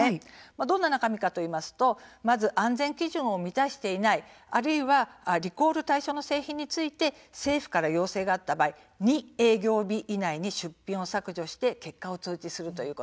どんな中身かといいますとまず安全基準を満たしていないあるいはリコール対象の製品について政府から要請があった場合２営業日以内に出品を削除して結果を通知すること。